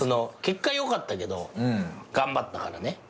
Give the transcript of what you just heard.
結果よかったけど頑張ったからね。